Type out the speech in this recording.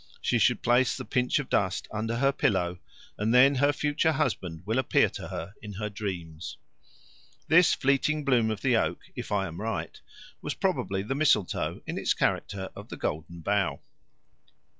She should place the pinch of dust under her pillow, and then her future husband will appear to her in her dreams. This fleeting bloom of the oak, if I am right, was probably the mistletoe in its character of the Golden Bough.